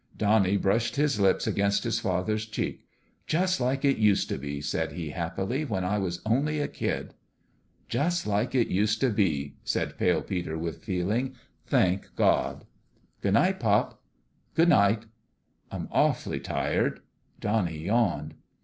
Donnie brushed his lips against his father's cheek. " Just like it used to be," said he, hap pily, " when I was only a kid." "Just like it used to be," said Pale Peter, with feeling, " thank God !" "Good night, pop." " Good night." " I'm awful tired," Donnie yawned.